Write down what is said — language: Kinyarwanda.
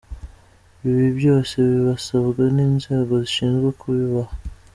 Ibi byose babisabwa n’inzego zishinzwe kubibaha”.